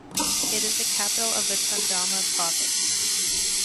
It is the capital of the Tundama Province.